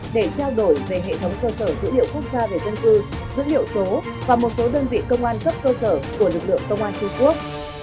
để trao đổi về hệ thống cơ sở dữ liệu quốc gia về dân cư dữ liệu số và một số đơn vị công an cấp cơ sở của lực lượng công an trung quốc